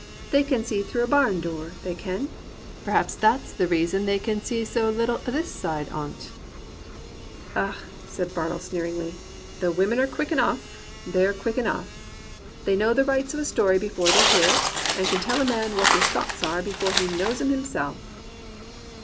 They can see through a barn door, they can. Perhaps that's the reason they can see so little o' this side on't.' "*Ah!' said Bartle, sneeringly, *the women are 155 COMPANIONABLE BOOKS quick eDOugh — they're quick enough. They know the rights of a story before they hear it, and can tell a man what his thoughts are before he knows 'em himself.'